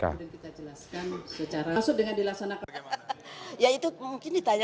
ya itu mungkin ditanya